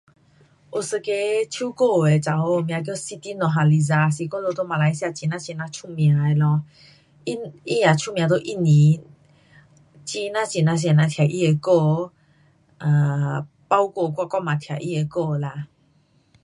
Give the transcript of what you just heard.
有一个唱歌的女生名叫 Siti Norhalizah，是我们在马来西亚很呐很呐出名的咯,她，她也出名在印尼，很呐很呐多人听她的歌。包 um 括我，我也听她的歌啦。